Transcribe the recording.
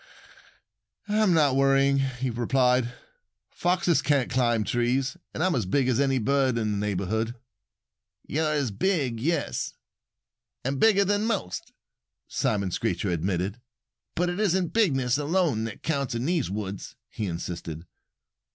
"I'm not worrying," he replied. "Foxes can't climb trees. And I'm as big as any bird in the neighborhood." "You're as big yes! And bigger than most!" Simon Screecher admitted. "But it isn't bigness alone that counts in the woods," he insisted.